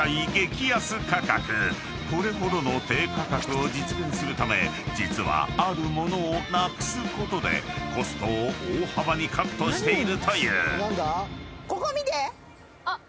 ［これほどの低価格を実現するため実はある物をなくすことでコストを大幅にカットしているという］